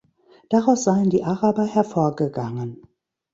Daraus seien die Araber hervorgegangen.